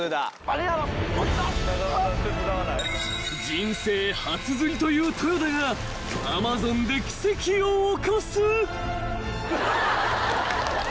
［人生初釣りというトヨダがアマゾンで奇跡を起こす］